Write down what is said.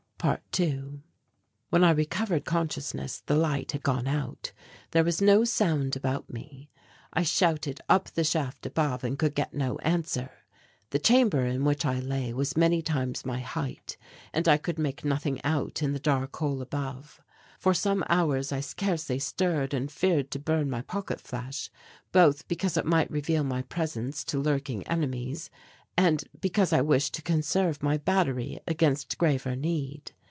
~2~ When I recovered consciousness the light had gone out. There was no sound about me. I shouted up the shaft above and could get no answer. The chamber in which I lay was many times my height and I could make nothing out in the dark hole above. For some hours I scarcely stirred and feared to burn my pocket flash both because it might reveal my presence to lurking enemies and because I wished to conserve my battery against graver need.